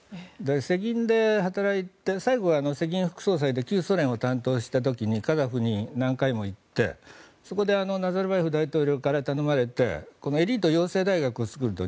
世銀で働いて最後は世銀副総裁で旧ソ連を担当した時にカザフに何回も行ってそこでナザルバエフから頼まれてエリート養成大学を作ると。